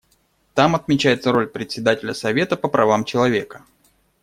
Там отмечается роль Председателя Совета по правам человека.